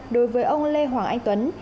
đối với ông lê hoàng anh tuấn